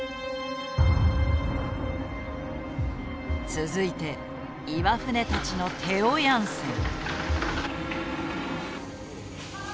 続いて岩船たちのテオ・ヤンセン。